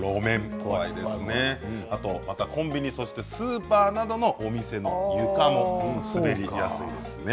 コンビニやスーパーなどのお店の床も滑りやすいですね。